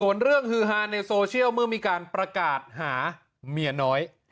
ส่วนเรื่องฮือฮาในโซเชียลเมื่อมีการประกาศหาเมียน้อย